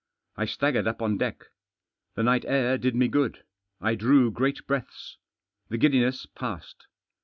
I staggered up m deck. The night afr did me good. I drew great breaths. The giddiness passed.